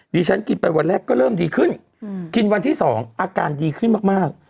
ฉันกินไปวันแรกก็เริ่มดีขึ้นกินวันที่๒อาการดีขึ้นมาก